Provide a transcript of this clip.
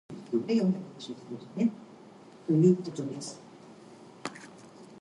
It was named after Arlington, Massachusetts.